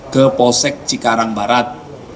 ke posek cikarang barat